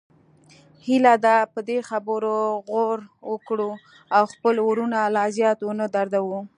هیله ده په دې خبرو غور وکړو او خپل وروڼه لا زیات ونه دردوو